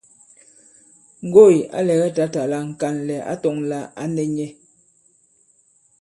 Ŋgoỳ à lɛgɛ tǎtà la ŋ̀kànlɛ̀ ǎ tɔ̄ŋ lā ǎ nɛ̄ nyɛ̄.